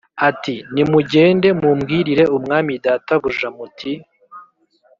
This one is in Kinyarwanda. ati “Nimugende mumbwirire umwami databuja muti ‘